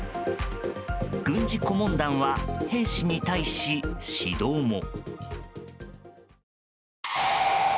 軍事顧問団は兵士に対し、指導も。